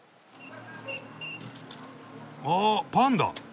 あパンだ。